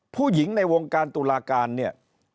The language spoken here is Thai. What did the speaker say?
ผู้หญิงในวงการตุลาการเนี่ย